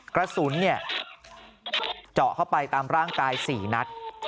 กระสุนเนี่ยเจาะเข้าไปตามร่างกาย๔นัด